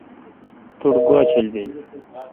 تو ٹھ گوا چل بیل